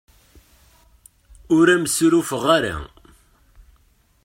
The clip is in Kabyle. Ur am-ssurufeɣ ara.